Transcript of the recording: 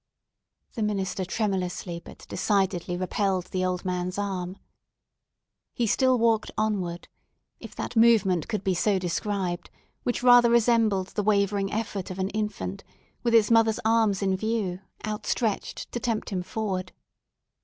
The minister tremulously, but decidedly, repelled the old man's arm. He still walked onward, if that movement could be so described, which rather resembled the wavering effort of an infant, with its mother's arms in view, outstretched to tempt him forward.